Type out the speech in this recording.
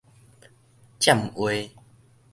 僭話